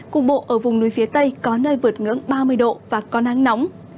cục bộ ở vùng núi phía tây có nơi vượt ngưỡng ba mươi độ và có nắng nóng